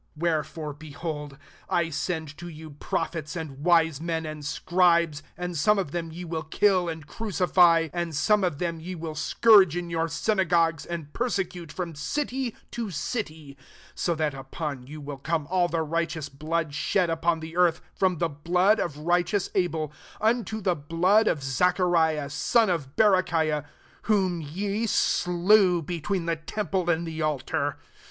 34 Wherefore, be Wd, I send to you prophets, and wise men, and scribes : and some of them ye will kill and crucify: and some of them ye will scourge in your syna gogues, and persecute from city to city: 35 so that upon you will come all the righteous blood shed upon the earth, from the blood of righteous Abel, unto the blood of Zacha riah, son of Barachiah, whom ye slew between the temple and the altar.